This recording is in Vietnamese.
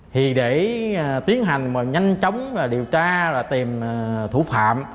thì để tiến hành và nhanh chóng điều tra và tìm thủ phạm